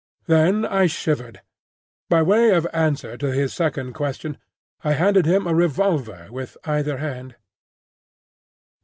Then I shivered. By way of answer to his second question, I handed him a revolver with either hand.